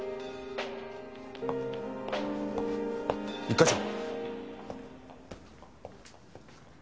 一課長。